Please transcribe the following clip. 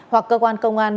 hoặc cơ quan công an